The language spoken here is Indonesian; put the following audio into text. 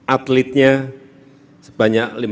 atletnya sebanyak lima ratus sembilan puluh sembilan atlet